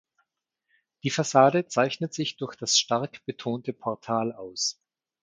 Die Fassade zeichnet sich durch das stark betonte Portal aus.